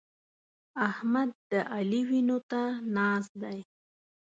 احمد د علي وينو ته ناست دی.